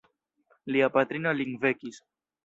Lia patrino lin vekis.